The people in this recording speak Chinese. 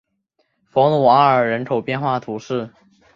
弗鲁阿尔人口变化图示